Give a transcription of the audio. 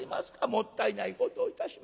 もったいないことをいたしました。